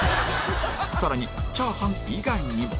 更にチャーハン以外にも